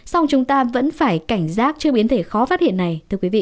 song chúng ta vẫn phải cảnh giác cho biến thể khó phát hiện này